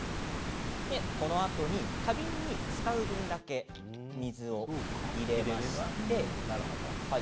このあとに花瓶に使う分だけ入れまして。